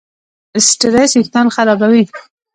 سټرېس وېښتيان خرابوي.